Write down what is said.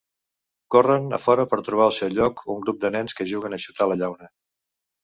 Corren a fora per trobar al seu lloc un grup de nens que juguen a xutar la llauna.